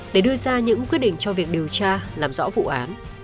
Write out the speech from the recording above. để đưa ra những quyết định cho việc điều tra làm rõ vụ án